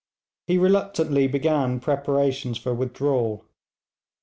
He reluctantly began preparations for withdrawal.